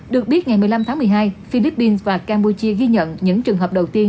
được biết ngày một mươi năm tháng một mươi hai philippines và campuchia ghi nhận những trường hợp đầu tiên